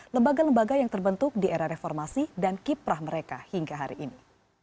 lembaga lembaga yang terbentuk di era reformasi dan kiprah mereka hingga hari ini